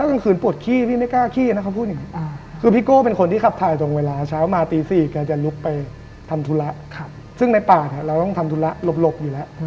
เราต้องทำธุระซึ่งในป่าดเราต้องทำธุระลบอยู่แล้ว